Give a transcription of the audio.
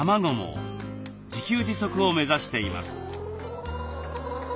自給自足を目指しています。